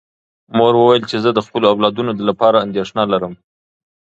مور وویل چې زه د خپلو اولادونو لپاره اندېښنه لرم.